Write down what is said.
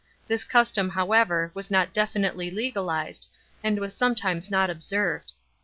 This custom, however, was not definitely legal sed, and was sometimes not observed.